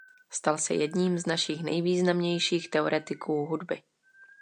Stal se jedním z našich nejvýznamnějších teoretiků hudby.